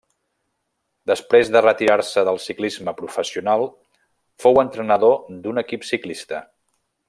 Després de retirar-se del ciclisme professional fou entrenador d'un equip ciclista.